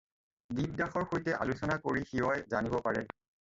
দিবদাসৰ সৈতে আলোচনা কৰি শিৱই জানিব পাৰে।